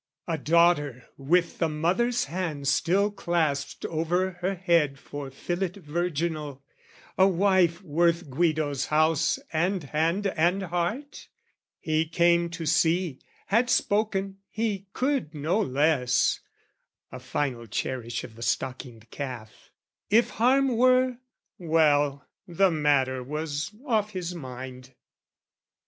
A daughter with the mother's hands still clasped Over her head for fillet virginal, A wife worth Guido's house and hand and heart? He came to see; had spoken, he could no less (A final cherish of the stockinged calf) If harm were, well, the matter was off his mind.